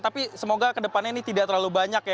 tapi semoga ke depannya ini tidak terlalu banyak ya